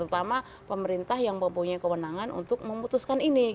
terutama pemerintah yang mempunyai kewenangan untuk memutuskan ini